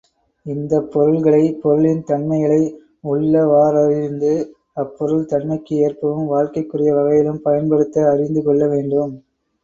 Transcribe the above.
இந்தப் பொருள்களை, பொருளின் தன்மைகளை உள்ளவாறறிந்து அப்பொருள் தன்மைக்கு ஏற்பவும் வாழ்க்கைக்குரிய வகையிலும் பயன்படுத்த அறிந்து கொள்ளவேண்டும்.